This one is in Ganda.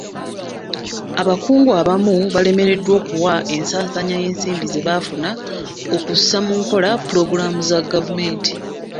Abakungu abamu balemereddwa okuwa ensaasaanya y'ensimbi ze baafuna okussa mu nkola pulogulaamu za gavumenti.